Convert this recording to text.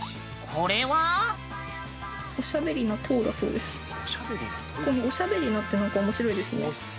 この「おしゃべりな」って何か面白いですね。